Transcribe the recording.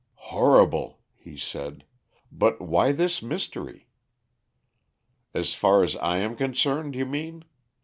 "Horrible," he said, "but why this mystery?" "As far as I am concerned, you mean?